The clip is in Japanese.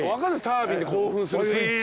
タービンで興奮するスイッチ。